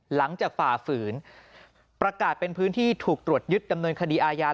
ฝ่าฝืนประกาศเป็นพื้นที่ถูกตรวจยึดดำเนินคดีอาญา